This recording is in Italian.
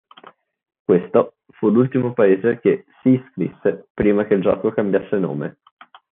Questo, fu l'ultimo paese che "si iscrisse" prima che il gioco cambiasse nome.